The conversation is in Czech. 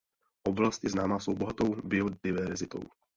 Oblast je známa svou bohatou biodeverzitou.